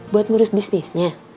buat merus bisnisnya